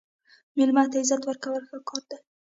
مېلمه ته عزت ورکول ښه کار دی.